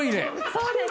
そうです。